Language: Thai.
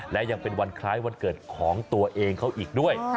และยังเป็นวันคล้ายวันเกิดของตัวเองเขาอีกด้วย